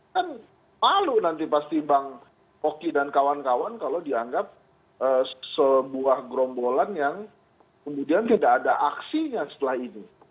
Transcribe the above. kan malu nanti pasti bang oki dan kawan kawan kalau dianggap sebuah gerombolan yang kemudian tidak ada aksinya setelah ini